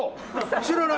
知らない。